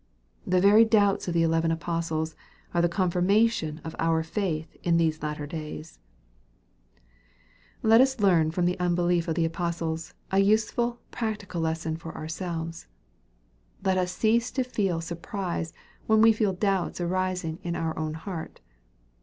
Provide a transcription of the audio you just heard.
The very doubts of the eleven apostles are the confirmation of our faith in these latter days. 16 362 EXPOSITOR? THOUGHTS. Lei us learn from the unbelief of the apostles, a useful practical lesson for ourselves. Let us cease to feel sur prise when we feel doubts arising in our own heart.